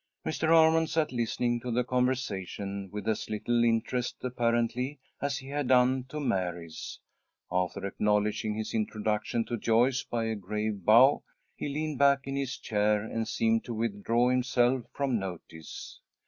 Mr. Armond sat listening to the conversation with as little interest, apparently, as he had done to Mary's. After acknowledging his introduction to Joyce by a grave bow, he leaned back in his chair, and seemed to withdraw himself from notice.